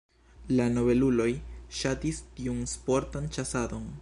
La nobeluloj ŝatis tiun sportan ĉasadon.